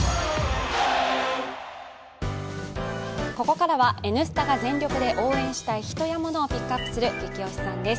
ここからは「Ｎスタ」が全力で応援したい人やものをピックアップする「ゲキ推しさん」です。